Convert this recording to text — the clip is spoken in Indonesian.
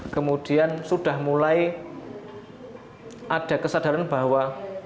kemudian sudah mulai ada kesadaran bahwa